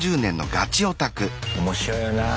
面白いよなぁ。